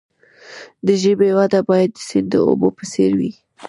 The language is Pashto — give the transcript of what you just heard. د ژبې وده باید د سیند د اوبو په څیر وي.